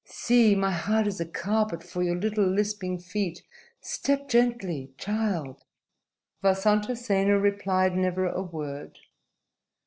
See! My heart is a carpet for your little lisping feet. Step gently, child!" Vasantasena replied never a word.